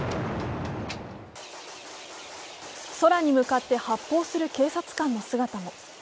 空に向かって発砲する警察官の姿も。